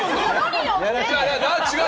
違う！